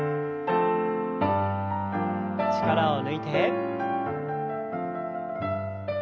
力を抜いて。